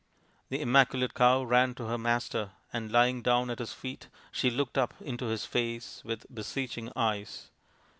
The immaculate cow ran to her master, and lying down at his feet she looked up into his face with beseeching eyes.